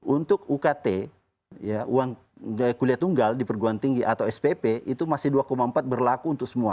untuk ukt uang kuliah tunggal di perguruan tinggi atau spp itu masih dua empat berlaku untuk semua